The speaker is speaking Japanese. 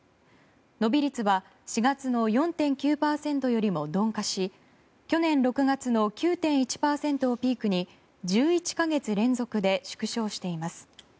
伸び率は４月の４．９％よりも鈍化し去年６月の９．１％をピークに１１か月連続で縮小しています。